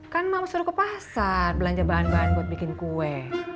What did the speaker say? kan mau suruh ke pasar belanja bahan bahan buat bikin kue